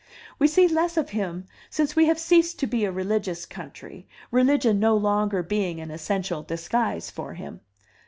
We see less of him since we have ceased to be a religious country, religion no longer being an essential disguise for him.